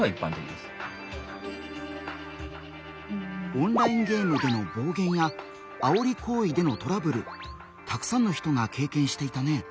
オンラインゲームでの暴言やあおり行為でのトラブルたくさんの人が経験していたね。